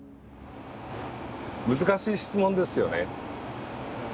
難しい質問ですよね。